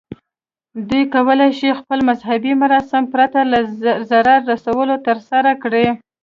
دوی کولی شي خپل مذهبي مراسم پرته له ضرر رسولو ترسره کړي.